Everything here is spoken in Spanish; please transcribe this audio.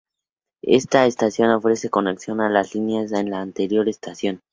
Esta estación ofrece conexión a las lines de la anterior estación.